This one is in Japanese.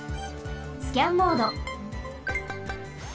スキャンモード。